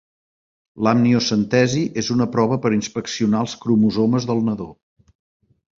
L'amniocentesi és una prova per inspeccionar els cromosomes del nadó.